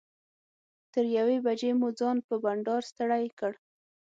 تر یوې بجې مو ځان په بنډار ستړی کړ.